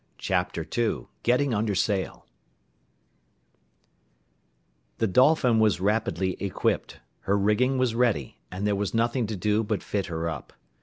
Chapter II GETTING UNDER SAIL The Dolphin was rapidly equipped, her rigging was ready, and there was nothing to do but fit her up.